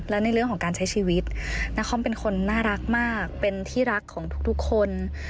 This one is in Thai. และในเรื่องของการใช้ชีวิตนาคอมเป็นคนน่ารักมากเป็นที่รักของทุกคน